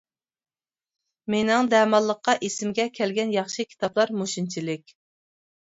مېنىڭ دەماللىققا ئېسىمگە كەلگەن ياخشى كىتابلار مۇشۇنچىلىك.